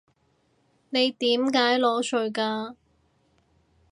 你點解裸睡㗎？